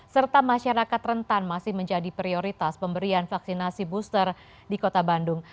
serta masyarakat rentan masih menjadi prioritas pemberian vaksinasi booster di kota bandung